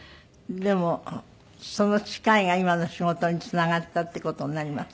でもその誓いが今の仕事につながったって事になります？